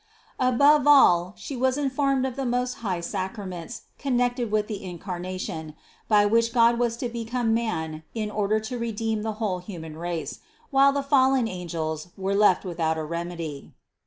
Above all She was informed of the most high sacraments con 188 CITY OF GOD nected with the Incarnation, by which God was to be come man in order to redeem the whole human race, while the fallen angels were left without a remedy.